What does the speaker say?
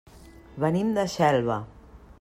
Venim de Xelva.